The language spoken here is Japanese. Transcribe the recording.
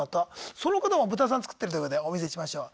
その方もブタさん作ってるということでお見せしましょう。